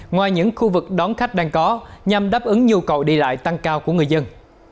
ngoài những khu vực đón khách đang có nhằm đáp ứng nhu cầu đi lại tăng cao của người dân